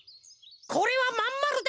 これはまんまるだ！